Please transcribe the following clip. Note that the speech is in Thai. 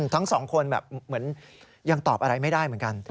ทั้งสองคนแบบเหมือนยังตอบอะไรไม่ได้เหมือนกัน